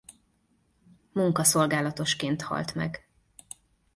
Munkaszolgálatosként halt meg.